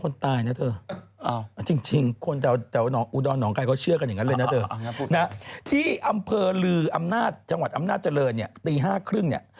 ก็ที่ไหนก็ไม่รู้ทั้งที่เนอะปิดข่าวลงเร็วเนี่ย